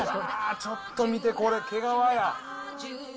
ちょっと見てこれ、毛皮や。